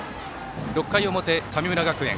６回の表、神村学園。